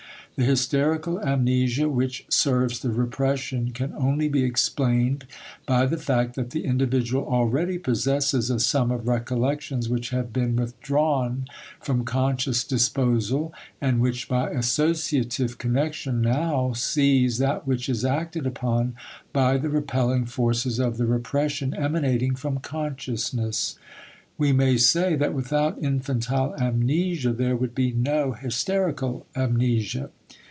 The hysterical amnesia which serves the repression can only be explained by the fact that the individual already possesses a sum of recollections which have been withdrawn from conscious disposal and which by associative connection now seize that which is acted upon by the repelling forces of the repression emanating from consciousness. We may say that without infantile amnesia there would be no hysterical amnesia.